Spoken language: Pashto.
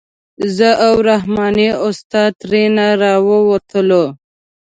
زه او رحماني استاد ترېنه راووتلو.